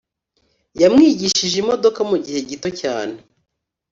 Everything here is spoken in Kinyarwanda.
Yamwigishije imodoka mugihe gito cyane.